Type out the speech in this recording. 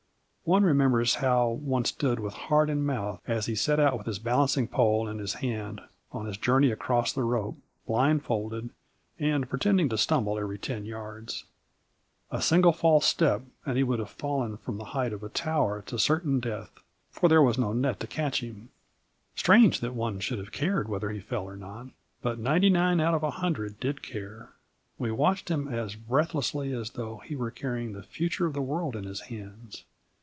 One remembers how one stood with heart in mouth as he set out with his balancing pole in his hand on his journey across the rope blindfolded and pretending to stumble every ten yards. A single false step and he would have fallen from the height of a tower to certain death, for there was no net to catch him. Strange that one should have cared whether he fell or not! But ninety nine out of a hundred did care. We watched him as breathlessly as though he were carrying the future of the world in his hands.